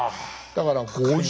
だから５０年。